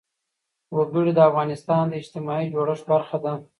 وګړي د افغانستان د اجتماعي جوړښت برخه ده.